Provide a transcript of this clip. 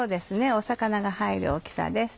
魚が入る大きさです。